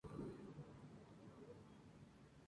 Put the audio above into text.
Más tarde, fue Gobernador subrogante de Arica por un tiempo.